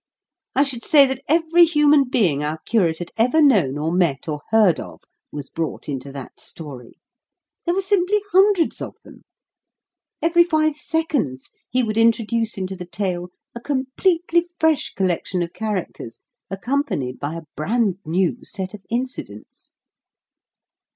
I should say that every human being our curate had ever known or met, or heard of, was brought into that story. There were simply hundreds of them. Every five seconds he would introduce into the tale a completely fresh collection of characters accompanied by a brand new set of incidents.